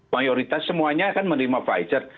mayoritas semuanya akan menerima pfizer